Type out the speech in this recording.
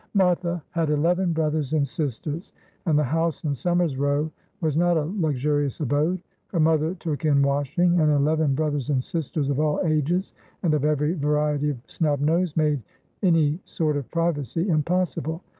Martha had eleven brothers and sisters, and the house in Somers Row was not a luxurious abode. Her mother took in washing, and eleven brothers and sisters of all ages, and of every variety of snub nose, made any sort of privacy impossible.